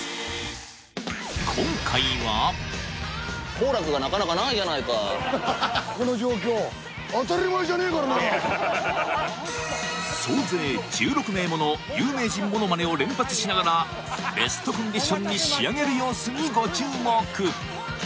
左手か左でございます総勢１６名もの有名人モノマネを連発しながらベストコンディションに仕上げる様子にご注目！